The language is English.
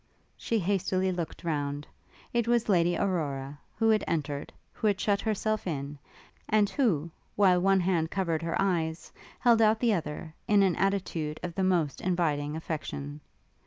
She hastily looked round: it was Lady Aurora; who had entered, who had shut herself in, and who, while one hand covered her eyes, held out the other, in an attitude of the most inviting affection.